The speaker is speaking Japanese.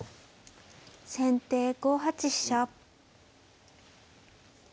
先手５八飛車。